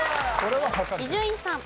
伊集院さん。